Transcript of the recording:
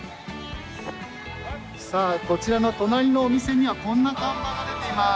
こちらの隣のお店にはこんな看板が出ています。